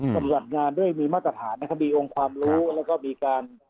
ปฏิบัติงานด้วยมีมาตรฐานนะครับมีองค์ความรู้แล้วก็มีการ